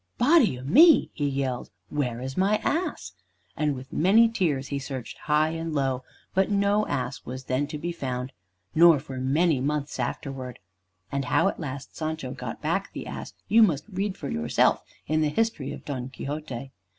"Body o' me!" he yelled, "where is my ass?" And with many tears he searched high and low, but no ass was then to be found, nor for many months afterwards. And how at last Sancho got back the ass you must read for yourself in the History of Don Quixote.